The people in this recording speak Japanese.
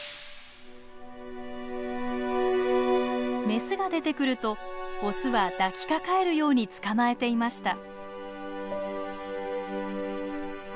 メスが出てくるとオスは抱きかかえるように捕まえていました。